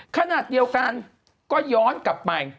ขณะเดียวกันก็ย้อนกลับไป